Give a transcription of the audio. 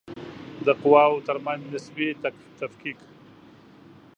د قواوو ترمنځ نسبي تفکیک